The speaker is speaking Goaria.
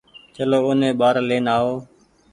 چلو اوني ٻآري لين آئو